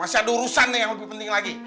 masih ada urusan yang lebih penting lagi